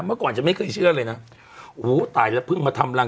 เมื่อก่อนจะไม่เคยเชื่อเลยนะโอ้โหตายแล้วเพิ่งมาทำรัง